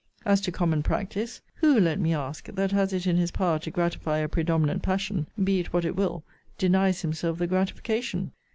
As to common practice Who, let me ask, that has it in his power to gratify a predominant passion, be it what it will, denies himself the gratification?